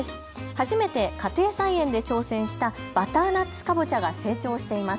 初めて家庭菜園で挑戦したバターナッツカボチャが成長しています。